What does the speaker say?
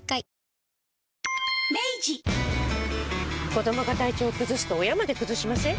子どもが体調崩すと親まで崩しません？